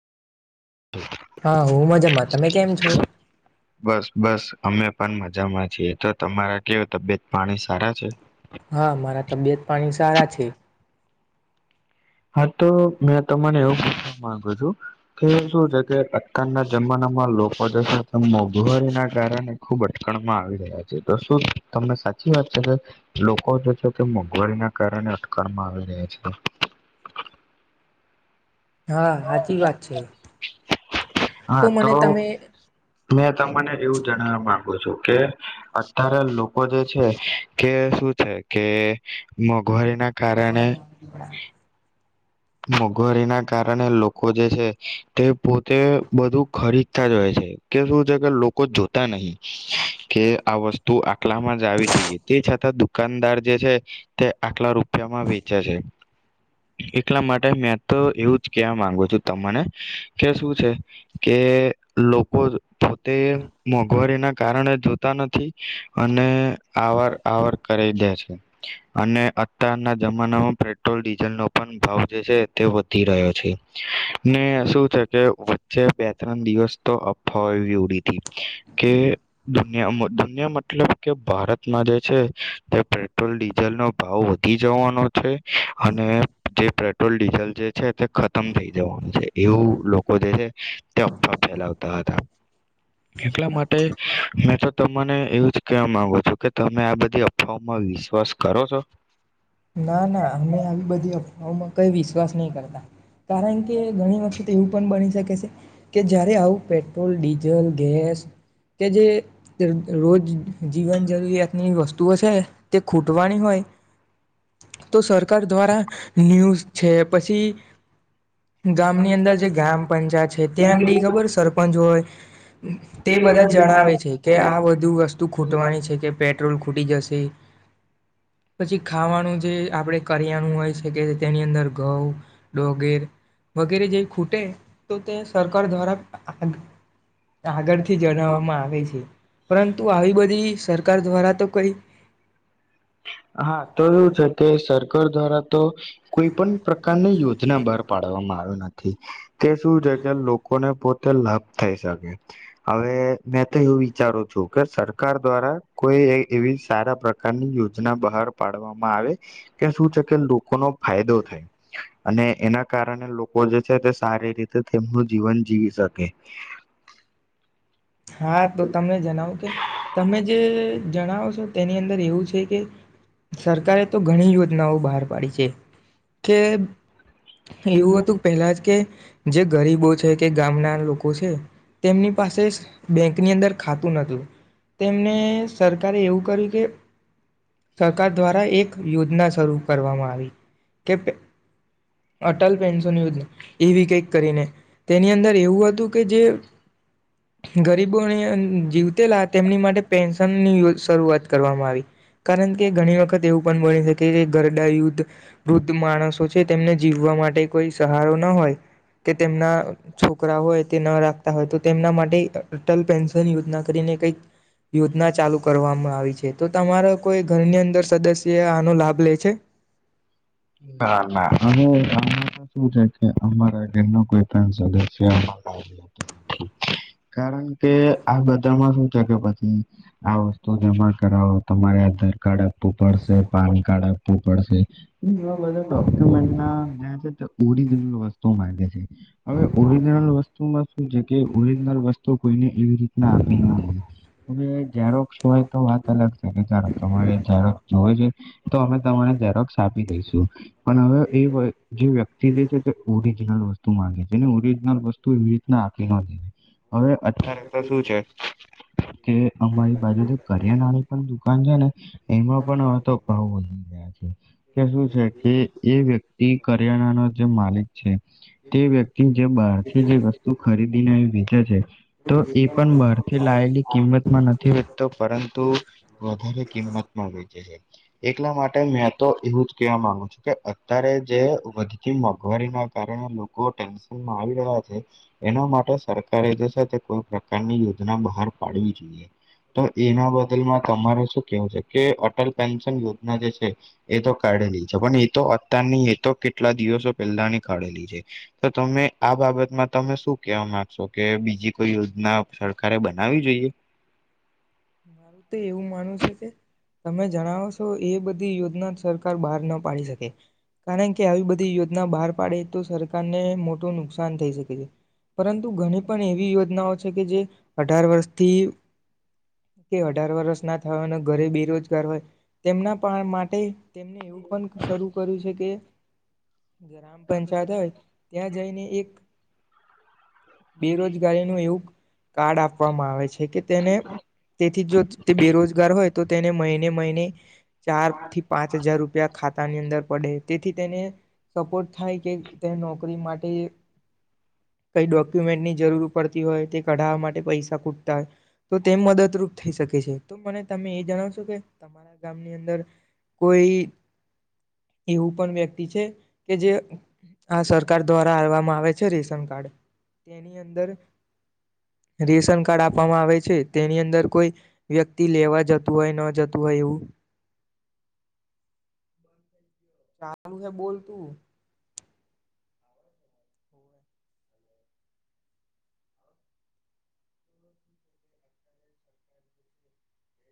હા.. હું મજામાં. તમે કેમ છો? બસ બસ અમે પણ મજામાં છીએ. તો તમારા કેવા તબિયત પાણી સારા છે? હા.. મારા તબિયત પાણી સારા છે. હા તો મેં તમને એવું માંગુ છું કે શું છે કે અત્યારના જમાનામાં લોકો જે છે તે મોંઘવારી ના કારણે ખુબ અટકણમાં આવી રહ્યા છે તો શું તમને સાચી વાત છે લોકો છે તે મોંઘવારી ના કારણે અટકણમાં આવી રહ્યા છે હા હાચી વાત છે હા મને તો તમે મેં તમને એવું જણવા માંગુ છું કે અત્યારે લોકો જે છે કે શું છે કે મોગ- ઘરી ના કારણે મોંઘવારીના કારણે લોકો જે છે તે પોતે બધું ખરીદ જ હોય છે કે શું છે કે લોકો જોતા નહી કે આ વસ્તુ આટલામાં જ આવી જોઈએ તે છતાં દુકાનદાર જે છે તે આટલા રૂપ રૂપિયામાં વેચે છે એટલા માટે અ મેં તો એવું જ કેવા માંગુ છું તમને કે શું છે કે લોકો પોતે મોંઘવારી ના કારણે જોતા નથી અને આવર આવર કર દે છે અને અત્યારના જમાનામાં પેટ્રોલ ડી ન પણ ભાવ જે છે તે વધી રહ્યો છે ને શું છે કે વચ્ચે બે ત્રણ દિવસ તો અફવા ઉડી હતી કે દુનિયામાં દુનિયામાં મતલબ કે ભારતમાં જે છે તે પેટ્રોલ ડીઝલનો ભાવ વધી જવાનો છે અને જે પે ટ્રોલ ડીઝલ જે છે તે ખતમ થઇ જવાનું છે એવું લોકો જે છે તે અફા ફેલાવતા હતા એટલા માટે મે તો તમને એવું જ કેહેવા માંગો છો કે તમે આ બધી અફવાઓમાં વિશ્વાસ કરો છો ના ના અમે આ બધી અફવાઓમાં કંઈ વિશ્વાસ નહીં કરતા કારણ કે ઘણી વખત એવું પણ બની શકે સે કે જ્યારે આવું પેટ ટ્રોલ ડીઝલ ગેસ કે જે દ રોજ જીવન જરૂરિયાત ની વસ્તુઓ છે તે ખૂટ વાની હોય તો સરકાર દ્વારા ન્યૂઝ છે પછી ગામની અંદર જે ગ્રામ પંચાયત છે ત્યાં આગળ ખબર સરપંચ હોય તે બધા જણાવે છે કે આ બધું વસ્તુ ખૂટવાની છે કે પેટ્રોલ ખૂટી જશે પછી ખાવાનું જે આપડે કરિયાણું હોય છે કે તેની અંદર ઘઉં ડોગેર વગેરે જે ખૂટે તો તે સરકાર દ્વારા આ આગળથી જણાવવામાં આવે છે પરંતુ આવી બધી સરકાર દ્વારા તો કઈ હા તો એવું છે કે સરકાર કર ધરાત તો કોઈ પણ પ્રકારની યોજના બહાર પાડવામાં આવી નથી. ઠીક. કે શું છે કે લોકોને પોતે તો લાભ થઈ શકે હવે મેં તો એવું વિચારું છું કે સરકાર દ્વારા કોઈ એવી સારા પ્ર ક યોજ બહાર પાડવામાં આવે કે શું છે કે લોકોનો ફાયદો થાય અને એના કારણે લોકો જે છે તે સારી રીતે તેમનું જીવન જીવી શકે [inaudible] હા તો તમે જણાવો કે તમે જે જણાવોો તેની અંદર એવું છે કે સરકારે તો ઘણી યોજનાઓ બહાર પાડી છે કે એવું હતું પહેલા જ કે જે ગરીબો છે કે ગામના લોકો છે તેમની પાસે બેંક ની અંદર ખાતું નતું તેમને સરકારે એવું કર્યું કે સરકાર દ્વારા એક યોજના શરૂ કરવામાં આવી કે અટલ પેન્શન યોજના એવી ક કરીને તેની અંદર એવું હતું કે જે ગરીબોને જીવતેલા તેમની માટે પેન્શનની શરૂઆત કરવામાં આવી કારણ કે ઘણી વખત એવું પણ બની શકે જે ગરડા યુદ્ધ વૃદ્ધ માણસો છે તેમને જીવવા માટે કોઈ સહારો ના હોય કે તેમના છોકરા હોય તે ન રાખતા હોય તો તેમના માટે અટલ પેન્શન યોજના કરીને કઈક યોજના ચાલુ કરવામાં આવી છે તો તમારા કોઈ ઘરની અંદર સદસ્ય આનો લાભ લે છે બરા શ થ છે કે અમારા એ ન કોઈ પણ સદસ્ય નથી કારણ કે આ બધામાં શું છે કે પછી આ વસ્તુ જમા કરાવો તમારે આધાર કાર્ડ ઉપરસે પાણી કાઢ પડશે એ બધા ડોક્યુમેન્ટ જ્યાં છે ઉડી દેલ વસ્તુ શુંે છે હવે ઓરિજનલ વસ્તુ તુમાં શું છે કે ઓરિજનલ વસ્તુ કોઈ એવી રીતના આપીને હ અ ઝેરોક્સ હોય તો વાત અલગ છે કેારો તમારે ઝેરોક્સ જોવો જોએ તો અમે તમારે ઝરોક્સ દશું પણ હવે એ જે વ્યક્તિ જે છે તે ઓરિજિનલ વસ્તુ માંગે છે ને ઓરિજિનલ વસ્તુ એવી રીતના આપી ના દીધે હવે અત્યારે તો શું છે કે અમારી બાજુ કરિયાણાની પણ દુકાન છે ને એમાં પણ હવે તો ભાવ વધી ગયા છે એ વ્યક્તિ કરિયાણાનો જે માલિક છે તે વ્યક્તિ જે બહારથી જે વસ્તુ ખરીદીને વેચે છે તો એ પણ બહારથી લાયેલી કિંમતમાં નથી વેચતો પરંતુ વધારે કિંમતમાં વેચે છે એટલા માટે મેં તો એવું જ કેવા માંગુ છું કે અત્યારે જે વધતી મોંઘવારીના કારણે લોકો ટેન્શનમાં આવી રહ્યા છે એના માટે સરકારે જે છે તે કોઈ પ્રકારની યોજના બહાર પાડવી જોઈએ તો એના બદલમાં તમારે શું કેવું છે કે અટલ પેન્શન યોજના જે છે એ તો કાઢેલી છે પણ એતો અત્યારની એ તો કેટલા દિવસો પહેલાની કાઢેલી છે તો તમે આ બાબતમાં તમે શું કેહેવા માંગશો કે બીજી કોઈ યોજના સરકારે બનાવી જોઈએ મારું તો એવું માનવું છે કે તમે જણાવો છો એ બધી યોજના સરકાર બહાર ના પાડી શકે કારણ કે આવી બધી યોજના બહાર પાડે તો સરકારને મોટું નુકસાન થઈ શકે છે પરંતુ ઘણી પણ એવી યોજનાઓ છે કે જે અઢાર વર્ષથી કે અઢાર વર્ષ ના થાય અને ઘરે બેરોજગાર હોય તેમના માટે તેમને એવું પણ શરૂ કર્યું છે કે ગામ પંચાયત હોય ત્યાં જને એક બેરોજગારીનું એવું કાર્ડ આપવામાં આવે છે કે તેને તેથી જો તે બેરોજગાર હોય તો તેને મહિને મહિને ચાર થી પાંચ હજાર રૂપિયા ખાતાની અંદર પડે તેથી તેને સપોર્ટ થાય કે તે નોકરી માટે કઈ ડોક્યુમેન્ટની જરૂર પડતી હોય તે કઢાવવા માટે પૈસા કૂટતા હોય તો તેમ મદદ તો મને તમે એ જણાવશો કે તમારા ગામની અંદર કોઈ એવું પણ વ્યક્તિ છે કે જે આ સરકાર દ્વારા કરવામાં આવે છે રેશન કાર્ડ તેની અંદર રેશન કાર્ડ આપવામાં આવે છે તેની અંદર કોઈ વ્યક્તિ લેવા જતું હોય ન જતું હોય એવું ચ હ બોલતું